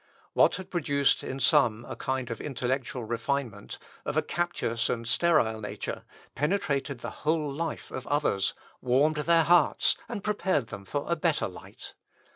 What had produced in some a kind of intellectual refinement, of a captious and sterile nature, penetrated the whole life of others, warmed their hearts, and prepared them for a better light.